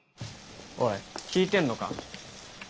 おい聞いてんのか？